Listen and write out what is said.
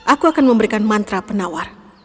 aku akan memberikan mantra penawar